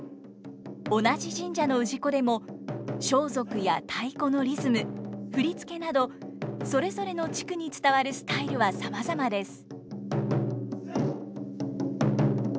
同じ神社の氏子でも装束や太鼓のリズム振付などそれぞれの地区に伝わるスタイルはさまざまです。